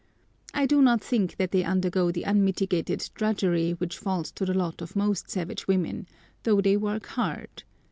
I do not think that they undergo the unmitigated drudgery which falls to the lot of most savage women, though they work hard.